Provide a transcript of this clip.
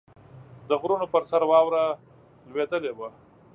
د غرونو پر سر واوره لوېدلې وه.